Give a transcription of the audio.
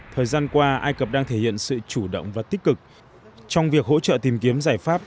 thời gian qua ai cập đang thể hiện sự chủ động và tích cực trong việc hỗ trợ tìm kiếm giải pháp